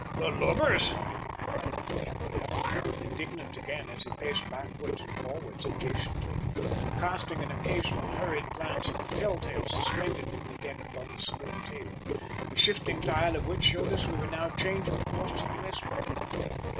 "The lubbers!" said Captain Applegarth, indignant again as he paced backwards and forwards impatiently, casting an occasional hurried glance at the "tell tale" suspended from the deck above the saloon table, the shifting dial of which showed we were now changing course to the westward.